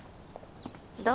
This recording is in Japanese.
どう？